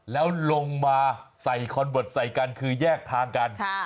แล้วลงมาใส่คอนเบิร์ตใส่กันคือแยกทางกัน